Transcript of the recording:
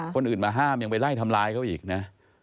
คนอื่นมาห้ามยังไปไล่ทำร้ายเขาอีกนะ